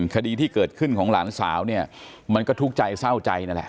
คดีที่เกิดขึ้นของหลานสาวเนี่ยมันก็ทุกข์ใจเศร้าใจนั่นแหละ